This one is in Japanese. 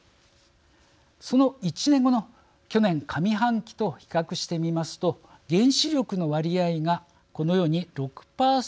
その１年後の去年上半期と比較してみますと原子力の割合がこのように６％まで減りました。